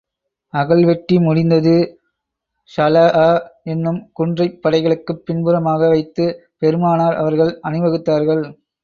அகழ் வெட்டி முடிந்தது ஸலஅ என்னும் குன்றைப் படைகளுக்குப் பின்புறமாக வைத்து பெருமானார் அவர்கள் அணி வகுத்தார்கள்.